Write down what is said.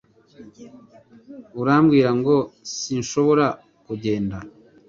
Urambwira ngo sinshobora kugenda